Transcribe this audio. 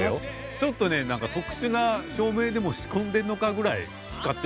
ちょっとね特殊な照明でも仕込んでんのか？ぐらい光ってたよ。